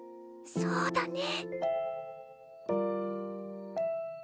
そうだね。